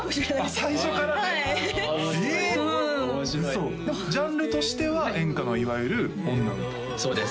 最初からねはいええっ嘘ジャンルとしては演歌のいわゆる女歌そうです